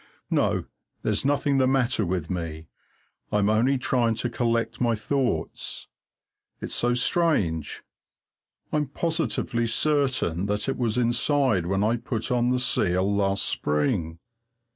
No, there's nothing the matter with me. I'm only trying to collect my thoughts. It's so strange. I'm positively certain that it was inside when I put on the seal last spring.